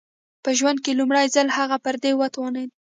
په ژوند کې لومړی ځل هغه پر دې وتوانېد